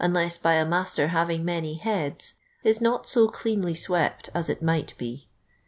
by a nia«ter hav inir many "head.*," i» not .♦■o cleanly swept as it niii:ht be.